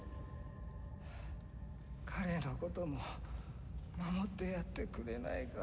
彼のことも守ってやってくれないか？